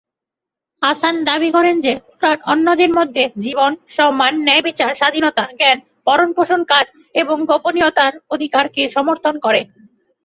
হাসান দাবি করেন যে কুরআন অন্যদের মধ্যে জীবন, সম্মান, ন্যায়বিচার, স্বাধীনতা, জ্ঞান, ভরণ-পোষণ, কাজ এবং গোপনীয়তার অধিকারকে সমর্থন করে।